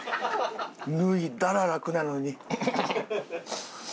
脱いだら楽なのに。